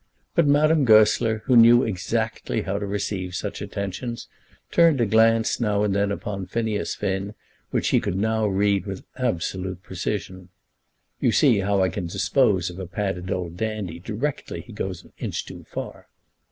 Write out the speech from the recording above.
But Madame Goesler, who knew exactly how to receive such attentions, turned a glance now and then upon Phineas Finn, which he could now read with absolute precision. "You see how I can dispose of a padded old dandy directly he goes an inch too far."